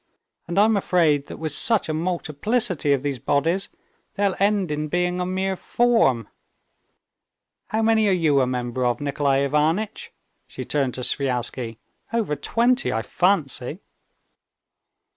And I'm afraid that with such a multiplicity of these bodies, they'll end in being a mere form. How many are you a member of, Nikolay Ivanitch?" she turned to Sviazhsky—"over twenty, I fancy."